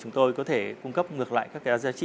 chúng tôi có thể cung cấp ngược lại các cái giá trị